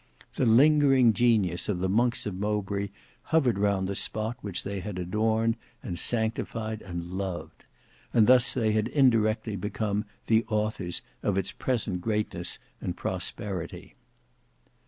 The lingering genius of the monks of Mowbray hovered round the spot which they had adorned, and sanctified, and loved; and thus they had indirectly become the authors of its present greatness and prosperity.